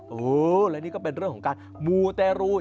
โอ้โหและนี่ก็เป็นเรื่องของการมูเตรูน